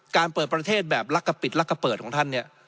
เปิดประเทศแบบลักกะปิดลักกะเปิดของท่านเนี่ย